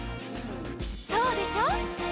「そうでしょ？」